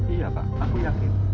iya pak aku yakin